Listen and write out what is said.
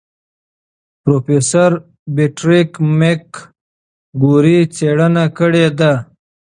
پروفیسور پیټریک مکګوري څېړنه کړې ده.